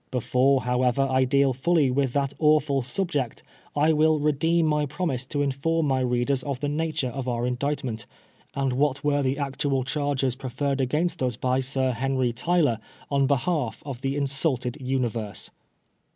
Before, how ever, I deal fully with that awful subject I will redeem my promise to inform my readers of the nature of our indictment, and what were the actual charges pre ferred against us by Sir Henry Tyler on behalf of the insulted universe.